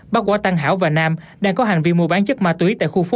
bác quả tăng hảo và nam đang có hành vi mua bán chất ma túy tại khu phố bảy